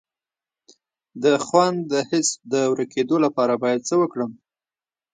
د خوند د حس د ورکیدو لپاره باید څه وکړم؟